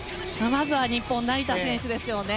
まずは日本の成田選手ですよね。